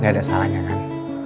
gak ada salahnya kan